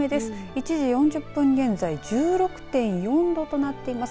１時４０分現在１６．４度となっています。